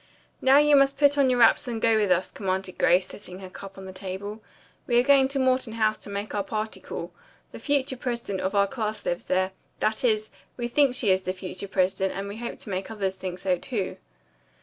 "Now, you must put on your wraps and go with us," commanded Grace, setting her cup on the table. "We are going to Morton House to make our party call. The future president of 19 lives there. That is, we think she is the future president and we hope to make others think so, too."